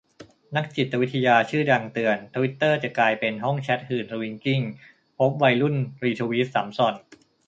นักจิตวิทยาชื่อดังเตือน ทวิตเตอร์จะกลายเป็นห้องแชตหื่นสวิงกิ้ง พบวัยรุ่นรีทวีตสำส่อน